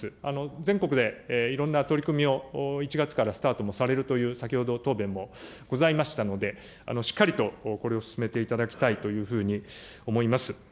全国でいろんな取り組みを、１月からスタートもされるという、先ほどの答弁もございましたので、しっかりとこれを進めていただきたいというふうに思います。